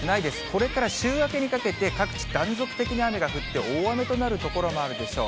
これから週末にかけて、各地、断続的に雨が降って、大雨となる所もあるでしょう。